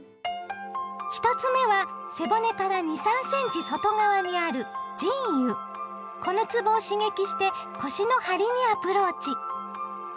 １つ目は背骨から２３センチ外側にあるこのつぼを刺激して腰の張りにアプローチ。